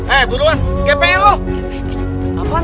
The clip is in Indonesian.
eh duluan gpl loh